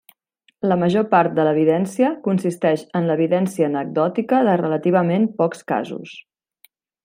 La major part de l'evidència consisteix en l'evidència anecdòtica de relativament pocs casos.